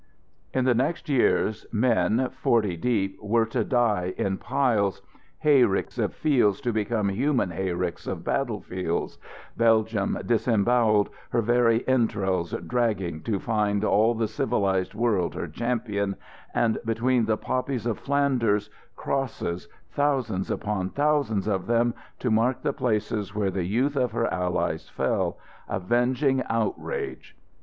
In the next years, men, forty deep, were to die in piles; hayricks of fields to become human hayricks of battlefields; Belgium disembowelled, her very entrails dragging to find all the civilized world her champion, and between the poppies of Flanders, crosses, thousands upon thousands of them, to mark the places where the youth of her allies fell, avenging outrage.